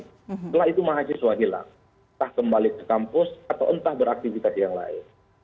setelah itu mahasiswa hilang entah kembali ke kampus atau entah beraktivitas yang lain